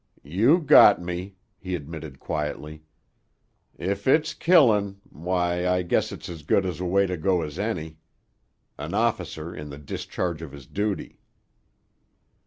"You got me," he admitted quietly. "If it's killin'—why, I guess it's as good a way to go as any. An officer in the discharge of his duty."